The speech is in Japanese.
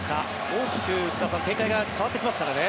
大きく内田さん、展開が変わってきますからね。